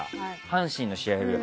阪神の試合とか。